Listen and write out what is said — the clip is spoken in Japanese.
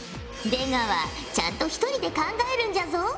出川ちゃんと一人で考えるんじゃぞ。